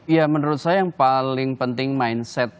ya menurut saya yang paling penting mindset